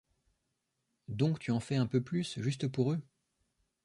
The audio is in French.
Donc tu en fais un peu plus, juste pour eux ?